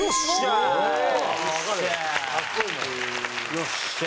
よっしゃ！